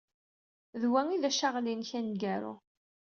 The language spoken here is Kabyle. D wa ay d acaɣli-nnek aneggaru.